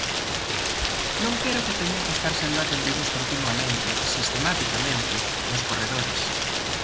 Non quero que teñan que estar sendo atendidos continuamente, sistematicamente, nos corredores.